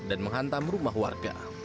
dan menghantam rumah warga